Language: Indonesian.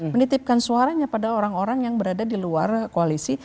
menitipkan suaranya pada orang orang yang berada di luar koalisi